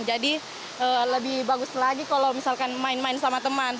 jadi lebih bagus lagi kalau misalkan main main sama teman